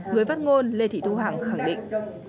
người phát ngôn lê thị thu hằng khẳng định